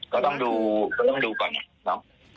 ก็ต้องดูก่อนเนี่ย